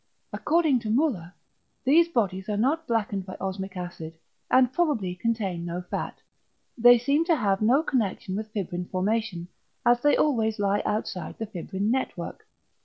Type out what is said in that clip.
According to Müller these bodies are not blackened by osmic acid, and probably contain no fat; they seem to have no connection with fibrin formation, as they always lie outside the fibrin network.